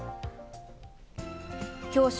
きょう正